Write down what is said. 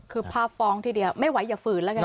คือภาพฟ้องทีเดียวไม่ไหวอย่าฝืนแล้วกัน